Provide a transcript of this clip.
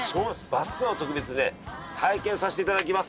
バスツアーを特別にね体験させて頂きます。